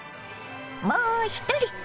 もう一人。